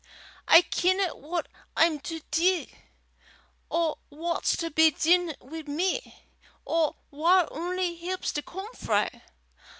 I kenna what I'm to dee, or what's to be deen wi' me, or whaur ony help's to come frae.